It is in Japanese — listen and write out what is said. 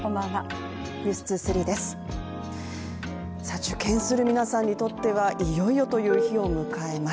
受験する皆さんにとってはいよいよという日を迎えます。